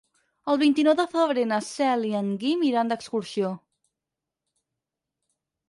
El vint-i-nou de febrer na Cel i en Guim iran d'excursió.